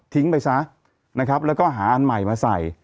ไปซะนะครับแล้วก็หาอันใหม่มาใส่